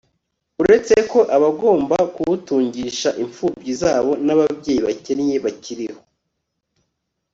uretse ko abagomba kuwutungisha impfubyi zabo, n'ababyeyi bakennye bakiriho